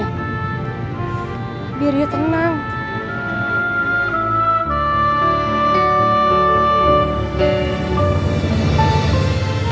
kamu hargain lah keputusannya